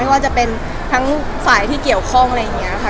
ว่าจะเป็นทั้งฝ่ายที่เกี่ยวข้องอะไรอย่างนี้ค่ะ